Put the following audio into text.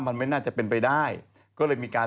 มันไม่น่าจะเป็นไปได้ก็เลยมีการ